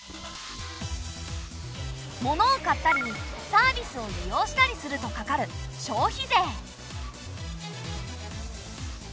モノを買ったりサービスを利用したりするとかかる消費税。